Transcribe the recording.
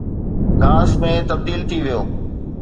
گھاس ۾ تبديل ٿي ويو.